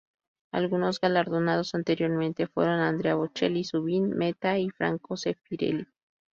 Algunos galardonados anteriormente fueron Andrea Bocelli, Zubin Mehta y Franco Zeffirelli.